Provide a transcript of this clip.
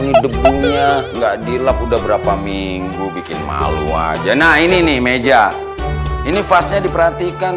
ini debunya enggak dilap udah berapa minggu bikin malu aja nah ini nih meja ini vasnya diperhatikan